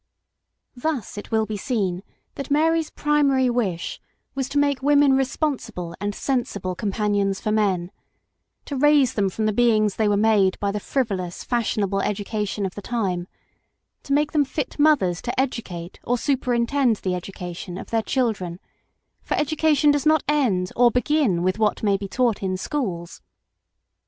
Thus it will be seen that Mary's primary wish was to make women responsible and sensible com panions for men ; to raise them from the beings they were made by the frivolous fashionable education of the time; to make them fit mothers to educate or superintend the education of their children, for educa tion does not end or begin with what may be taught in schools.